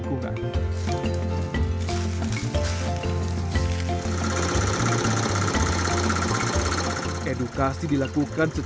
masyarakat juga tidak selesai menyaksikan alam energi